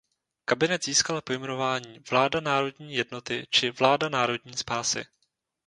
Kabinet získal pojmenování "vláda národní jednoty" či "vláda národní spásy".